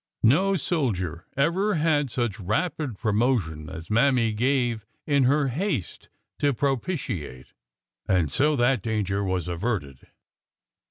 No soldier ever had such rapid pro motion as Mammy gave in her haste to propitiate. And so that danger was averted.